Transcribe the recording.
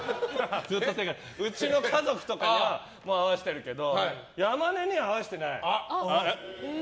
うちの家族とかには会わせてるけど山根には会わせてない。